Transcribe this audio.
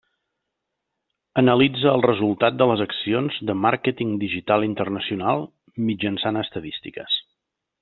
Analitza el resultat de les accions de màrqueting digital internacional, mitjançant estadístiques.